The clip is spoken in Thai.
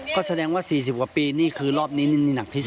ก็แสดงว่า๔๐กว่าปีนี่คือรอบนี้นี่หนักที่สุด